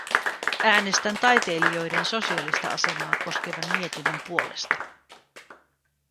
Äänestän taiteilijoiden sosiaalista asemaa koskevan mietinnön puolesta.